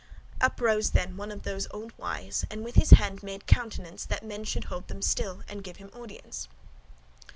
Up rose then one of these old wise, and with his hand made countenance [a sign, gesture] that men should hold them still, and give him audience.